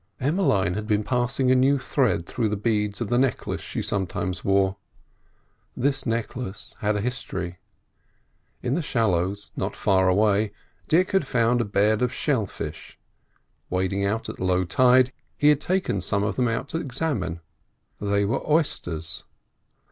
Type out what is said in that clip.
Emmeline had been passing a new thread through the beads of the necklace she sometimes wore. This necklace had a history. In the shallows not far away, Dick had found a bed of shell fish; wading out at low tide, he had taken some of them out to examine. They were oysters.